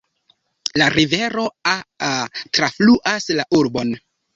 La rivero Aa trafluas la urbon.